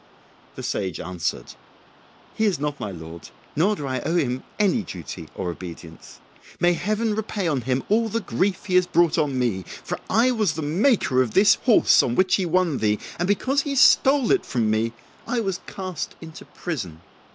The sage answered, "He is not my lord, nor do I owe him any duty or obedience. May Heaven repay on him all the grief he has brought on me, for I was the maker of this horse on which he won thee, and because he stole it from me I was cast into prison.